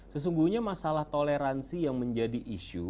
sesungguhnya masalah toleransi yang menjadi isu